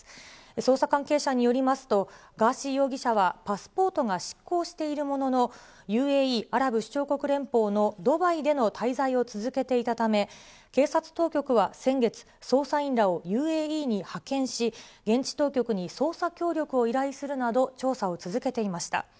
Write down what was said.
捜査関係者によりますと、ガーシー容疑者はパスポートが失効しているものの、ＵＡＥ・アラブ首長国連邦のドバイでの滞在を続けていたため、警察当局は先月、捜査員らをＵＡＥに派遣し、現地当局に捜査協力を依頼するなど、調査を続けていました。